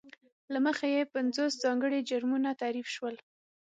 له مخې یې پینځوس ځانګړي جرمونه تعریف شول.